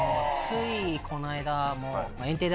ついこの間も。